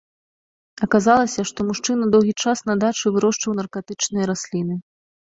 Аказалася, што мужчына доўгі час на дачы вырошчваў наркатычныя расліны.